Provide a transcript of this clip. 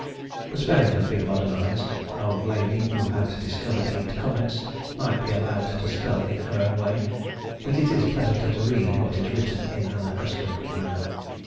The spelling has been modernised,—an old lady who had discovered eight comets might be allowed to spell in her own way; but it is pleasanter to read what is written in an accustomed manner.